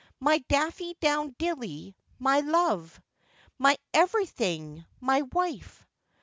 My daffy down dilly! my dove! My everything! my wife!